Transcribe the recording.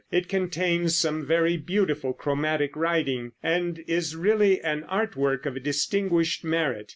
It contains some very beautiful chromatic writing, and is really an art work of distinguished merit.